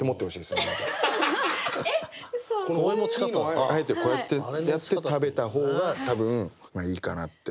あえてこうやってやって食べた方が多分いいかなって。